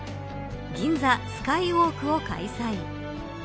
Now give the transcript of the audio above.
銀座スカイウォークを開催。